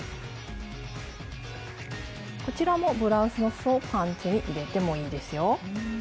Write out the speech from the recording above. こちらもブラウスのすそをパンツに入れてもいいですよ。